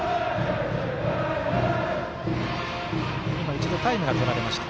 一度、タイムがとられました。